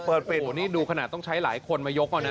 โหนี่ดูขนาดต้องใช้หลายคนมายกอ่ะนะ